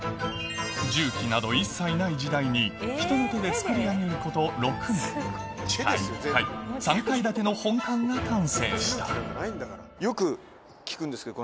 重機など一切ない時代に人の手で造り上げること６年地下１階３階建ての本館が完成よく聞くんですけど